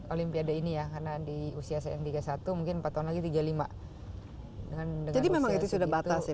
olimpiade ini ya karena di usia saya yang tiga puluh satu mungkin empat tahun lagi tiga puluh lima itu sudah batas ya